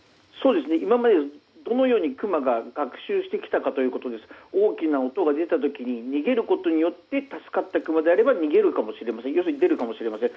今までどのようにクマが学習してきたかということで大きな音が出た時に逃げることによって助かったクマであれば出るかもしれません。